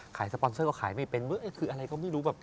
สปอนเซอร์ก็ขายไม่เป็นคืออะไรก็ไม่รู้แบบ